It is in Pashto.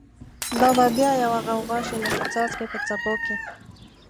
دا به بیا یوه غوغاشی، لکه څاڅکی په څپو کی